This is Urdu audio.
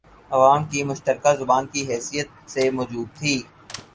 عوام کی مشترکہ زبان کی حیثیت سے موجود تھی